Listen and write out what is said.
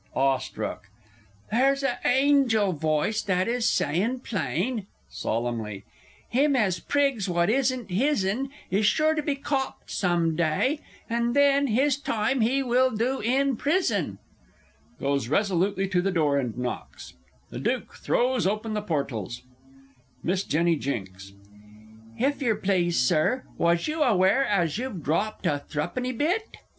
(Awestruck.) There's a angel voice that is sayin' plain (solemnly) "Him as prigs what isn't his'n, Is sure to be copped some day and then his time he will do in prison!" [Goes resolutely to the door, and knocks The Duke throws open the portals. Miss J. J. If yer please, Sir, was you aware as you've dropped a thruppenny bit?